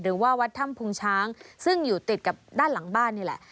หรือว่าวัดถ้ำพุงช้างซึ่งอยู่ติดกับด้านหลังบ้านนี่แหละ